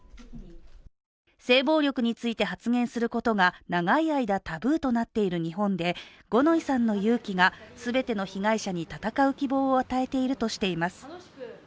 性暴力について発言することが長い間タブーとなっている日本で五ノ井さんの勇気が全ての被害者に闘う希望を与えているとしています。